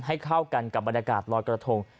ให้เข้ากันกับบรรยากาศลอยกระทง